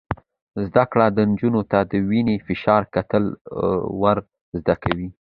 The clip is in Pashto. زده کړه نجونو ته د وینې فشار کتل ور زده کوي.